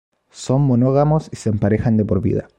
Son monógamos y se emparejan de por vida.